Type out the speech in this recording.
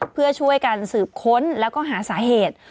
เพื่อช่วยกันสืบค้นแล้วก็หาสาเหตุ